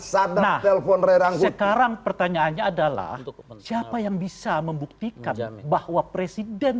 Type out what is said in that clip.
sana telepon sekarang pertanyaannya adalah siapa yang bisa membuktikan bahwa presiden